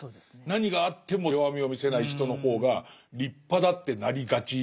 何があっても弱みを見せない人の方が立派だってなりがちじゃないですか。